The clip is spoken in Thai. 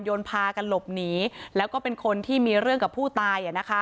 พากันหลบหนีแล้วก็เป็นคนที่มีเรื่องกับผู้ตาย